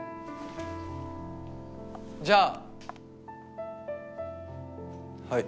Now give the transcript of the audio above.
じゃあはい。